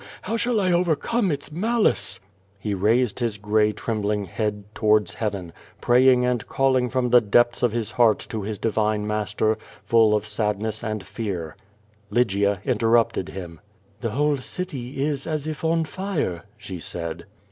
How shall I overcome its malice?" He raised his gray trembling head towards heaven, praying and calling from the depths of his heart to his Divine Mas ter, full of sadness and fear. Lygia interrupted him. "'The whole city is as if on fire," she said.